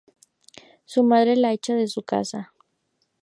Su madre la echa de su casa.